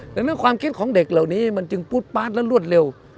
ดังนั้นความคิดของเด็กเหล่านี้มันจึงปูดปาดและรวดเร็ว